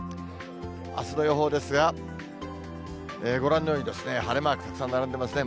あすの予報ですが、ご覧のように、晴れマークたくさん並んでますね。